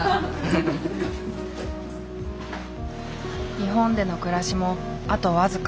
日本での暮らしもあと僅か。